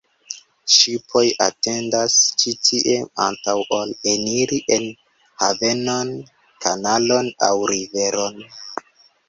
Ŝipoj atendas ĉi tie antaŭ ol eniri en havenon, kanalon aŭ riveron.